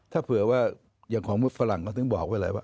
ถ้าเผื่อว่าอย่างของฝรั่งเขาถึงบอกไว้แหละว่า